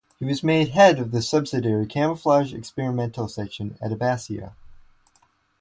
He was made head of the subsidiary "Camouflage Experimental Section" at Abbassia.